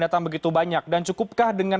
datang begitu banyak dan cukupkah dengan